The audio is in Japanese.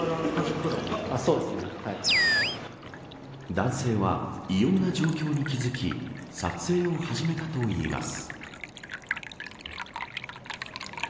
男性は異様な状況に気付き撮影を始めたといいます。